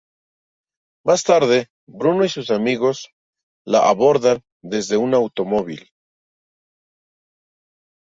Más tarde, Bruno y sus amigos la abordan desde un automóvil.